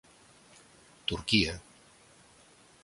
Turquia.